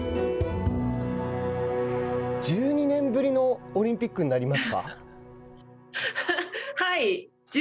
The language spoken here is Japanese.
１２年ぶりのオリンピックになりますか。